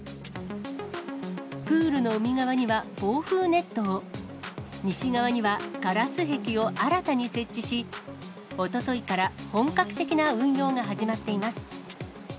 プールの海側には防風ネットを西側にはガラス壁を新たに設置し、おとといから本格的な運用が始まっています。